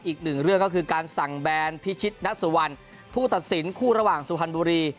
อีกหนึ่งเรื่องก็คือการสั่งแบนพิชิตนัสสุวรรณผู้ตัดสินคู่ระหว่างสุพรรณบุรี